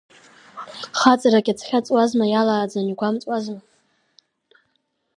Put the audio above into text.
Хаҵарак иацәхьаҵуазма, иалааӡан, игәамҵуазма.